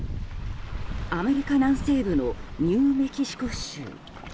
アメリカ南西部のニューメキシコ州。